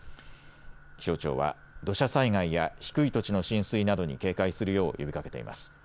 気象庁は土砂災害や低い土地の浸水などに警戒するよう呼びかけています。